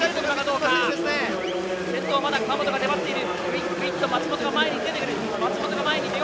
先頭は川本が粘っている。